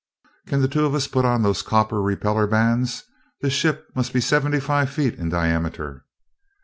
"Can the two of us put on those copper repeller bands? This ship must be seventy five feet in diameter."